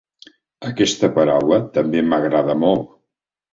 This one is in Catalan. Aquesta paraula també m'agrada molt.